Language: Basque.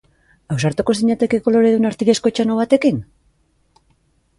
Ausartuko zinatekete koloredun artilezko txano batekin?